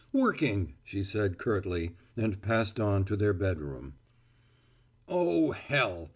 "Working," she said curtly and passed on to their bedroom. "Oh, hell!